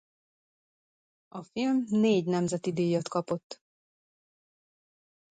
A film négy nemzeti díjat kapott.